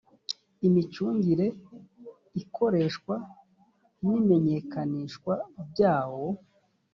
imicungire ikoreshwa n imenyekanishwa byawo